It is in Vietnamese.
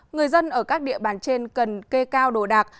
người dân ở các địa bàn trên cần kê cao đồ đạc